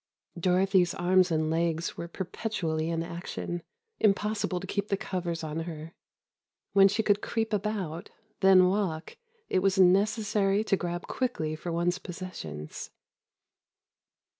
Dorothy's arms and legs were perpetually in action ... impossible to keep the covers on her. When she could creep about, then walk, it was necessary to grab quickly for one's possessions.